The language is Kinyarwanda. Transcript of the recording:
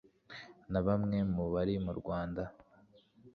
n'abamwe mu bari mu rwanda